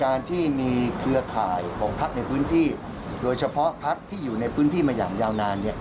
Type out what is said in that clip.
การที่มีเครือข่ายของพักในพื้นที่โดยเฉพาะพักที่อยู่ในพื้นที่มาอย่างยาวนานเนี่ย